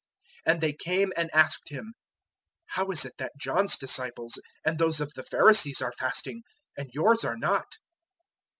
And they came and asked Him, "How is it that John's disciples and those of the Pharisees are fasting, and yours are not?"